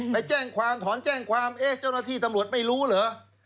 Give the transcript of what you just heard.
ไปแจ้งความถอนแจ้งความเอ๊ะเจ้าหน้าที่ตำรวจไม่รู้เหรอ